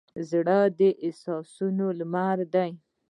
زړه د احساسونو لمر دی.